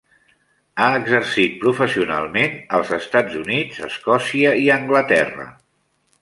Ha exercit professionalment als Estats Units, Escòcia i Anglaterra.